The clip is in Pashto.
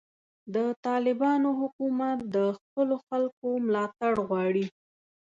د طالبانو حکومت د خپلو خلکو ملاتړ غواړي.